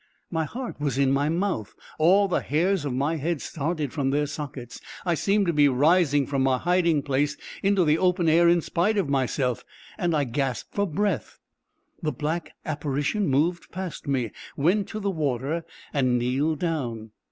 My heart was in my mouth; all the hairs of my head started from their sockets; I seemed to be rising from my hiding place into the open air in spite of myself, and I gasped for breath. The black apparition moved past me, went to the water and kneeled down.